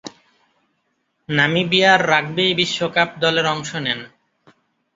নামিবিয়ার rugby বিশ্বকাপ দলের অংশ নেন।